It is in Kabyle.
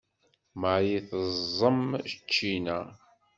Marie teẓẓem ccina.